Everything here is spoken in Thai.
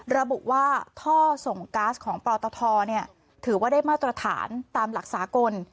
ระบุว่าท่อส่งก๊าซของปตทถือว่าได้มาตรฐานตามหลักสากล